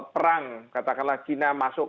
perang katakanlah cina masuk